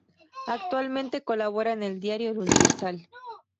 Actualmente colabora en el diario El Universal.